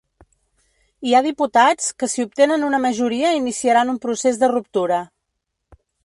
Hi ha diputats que si obtenen una majoria iniciaran un procés de ruptura.